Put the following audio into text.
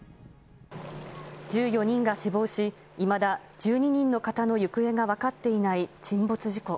１４人が死亡し、いまだ１２人の方の行方が分かっていない沈没事故。